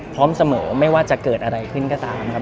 พร้อมเสมอไม่ว่าจะเกิดอะไรขึ้นก็ตามครับ